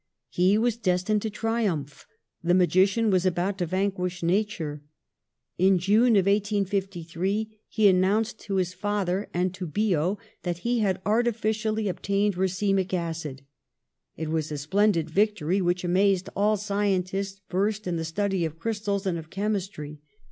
He was destined to triumph ; the magician was about to vanquish nature. In June, 1853, he announced to his father and to Biot that he had artificially obtained racemic acid. It was a splendid victory, which amazed all scientists versed in the study of crystals and of chemistry.